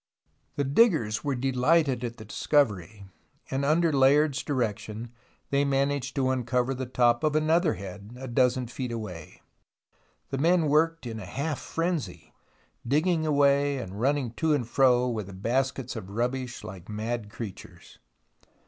The diggers were delighted at the discovery, and under Layard's direction they managed to uncover the top of another head a dozen feet away. The men worked in a half frenzy, digging away and running to and fro with the baskets of rubbish like mad creatures.